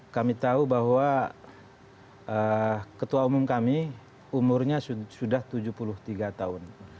kami tahu bahwa ketua umum kami umurnya sudah tujuh puluh tiga tahun